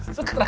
oh udah stres